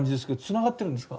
つながってます。